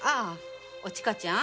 おちかちゃん？